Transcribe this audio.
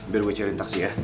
biar gue cariin taksi ya